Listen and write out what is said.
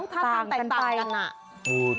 ต้องทานกันไว้